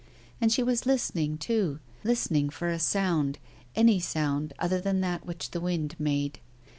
And she was listening too; listening for a sound any sound other than that which the wind made.